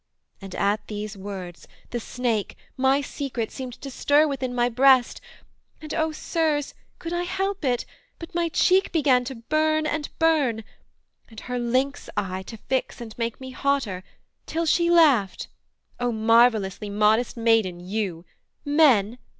and at these words the snake, My secret, seemed to stir within my breast; And oh, Sirs, could I help it, but my cheek Began to burn and burn, and her lynx eye To fix and make me hotter, till she laughed: "O marvellously modest maiden, you! Men!